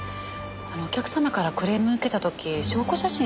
お客様からクレームを受けた時証拠写真撮ったりするから。